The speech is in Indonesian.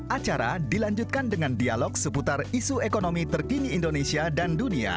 acara dilanjutkan dengan dialog seputar isu ekonomi terkini indonesia dan dunia